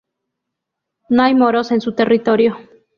No hay moros en su territorio.